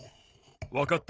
わかった。